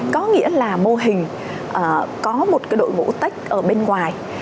có nghĩa là mô hình có một cái đội ngũ tách ở bên ngoài